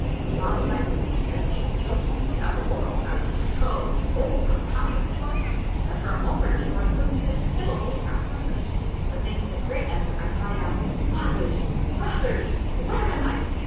Upon sight of these red cheeked children of the upper world I was so overcome with joy that for a minute or so I couldn't get a syllable across my lips, but making a great effort I cried out, —" Fathers I Brothers ! Where am I